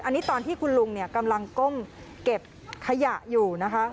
อันนี้ตอนที่คุณลุงเนี่ยกำลังก้มเก็บขยะอยู่นะคะ